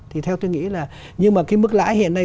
thì theo tôi nghĩ là nhưng mà cái mức lãi hiện nay